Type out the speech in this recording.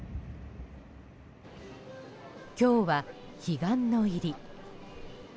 今日は、彼岸の入り。